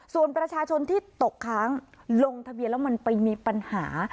ส่วนประชาชนที่ตกค้างลงทะเบียนแล้วมันไปมีปัญหา